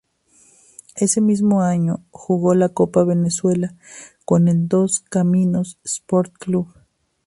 Ese mismo año jugó la Copa Venezuela con el Dos Caminos Sport Club.